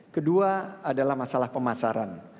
kedua adalah masalah pemasaran